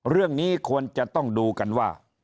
เรื่องนี้ควรจะต้องดูกันว่า